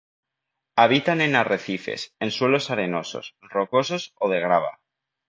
Habitan en arrecifes, en suelos arenosos, rocosos o de grava.